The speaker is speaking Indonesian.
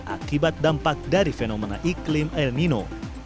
akibat dampak dari fenomena iklim el nino